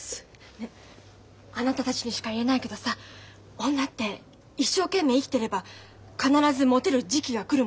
ねあなたたちにしか言えないけどさ女って一生懸命生きてれば必ずもてる時期が来るものね。